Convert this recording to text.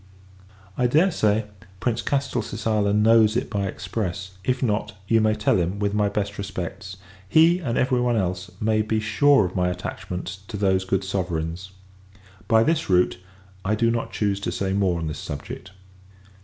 I dare say, Prince Castelcicala knows it by express; if not, you may tell him, with my best respects. He, and every one else, may be sure of my attachment to those good sovereigns. By this route, I do not choose to say more on this subject.